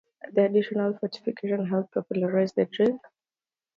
The additional fortification helped popularize the drink.